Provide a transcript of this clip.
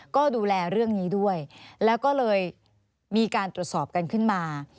ก็ดูแลเรื่องนี้ด้วยแล้วก็เลยมีการตรวจสอบกันขึ้นมา